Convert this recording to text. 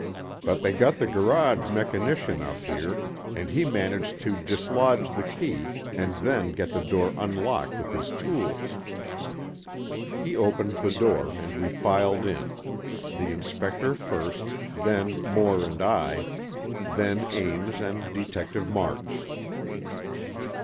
But they got the garage mechanician up here, and he managed to dislodge the key and then get the door unlocked with his tools." He opened the door, and we filed in, the Inspector first, then Moore and I, then Ames and Detective March.